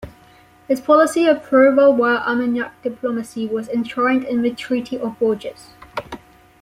His policy of pro-Valois Armagnac diplomacy was enshrined in the Treaty of Bourges.